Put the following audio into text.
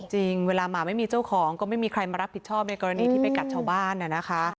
จริงเวลาหมาไม่มีเจ้าของก็ไม่มีใครมารับผิดชอบในกรณีที่ไปกัดชาวบ้านนะคะ